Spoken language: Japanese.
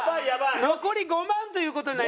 残り５万という事になりました。